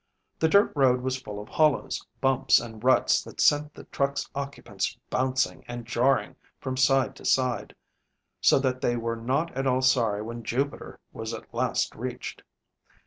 The dirt road was full of hollows, bumps and ruts that sent the truck's occupants bouncing and jarring from side to side, so that they were not at all sorry when Jupiter was at last reached.